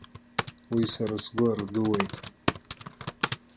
Уи сара сгәы ардууеит.